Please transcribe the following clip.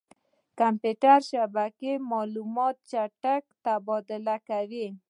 کمپیوټر شبکې معلومات چټک تبادله کوي.